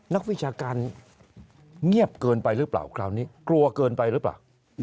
นักวิชาการเงียบเกินไปหรือเปล่าคราวนี้กลัวเกินไปหรือเปล่า